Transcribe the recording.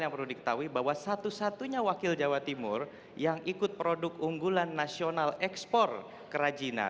yang perlu diketahui bahwa satu satunya wakil jawa timur yang ikut produk unggulan nasional ekspor kerajinan